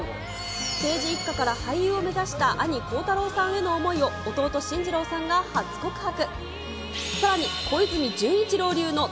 政治一家から俳優を目指した兄、孝太郎さんへの思いを、弟、進次郎さんが初告白。